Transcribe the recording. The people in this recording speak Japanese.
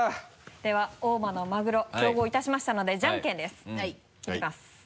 では大間のマグロ競合いたしましたのでじゃんけんですいきます。